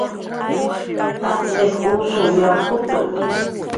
Atz'ik usuw yakutu